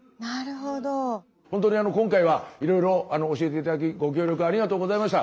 ほんとに今回はいろいろ教えて頂きご協力ありがとうございました。